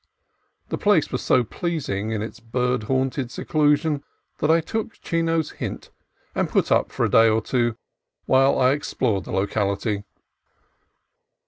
The place was so pleasing in its bird haunted seclusion that I took Chino's hint, and put up for a day or two while I explored the locality.